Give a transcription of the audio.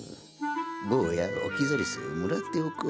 坊やオキザリスもらっておこう。